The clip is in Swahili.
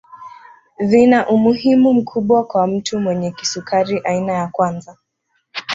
Vina umuhimu mkubwa kwa mtu mwenye kisukari aina ya kwanza